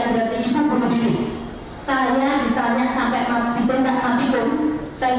saya alami saya simak saya tidak mencuri kulit